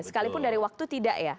sekalipun dari waktu tidak ya